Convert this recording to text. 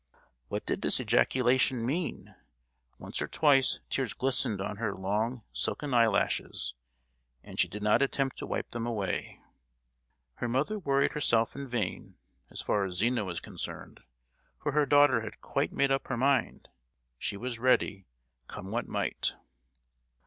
What did this ejaculation mean? Once or twice tears glistened on her long silken eyelashes, and she did not attempt to wipe them away. Her mother worried herself in vain, as far as Zina was concerned; for her daughter had quite made up her mind:—she was ready, come what might!